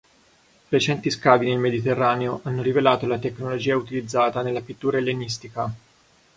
Recenti scavi nel Mediterraneo hanno rivelato la tecnologia utilizzata nella pittura ellenistica.